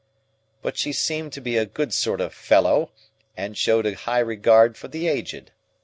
But she seemed to be a good sort of fellow, and showed a high regard for the Aged.